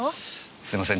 すいません